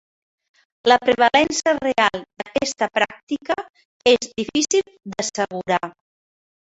La prevalença real d'aquesta pràctica és difícil d'assegurar.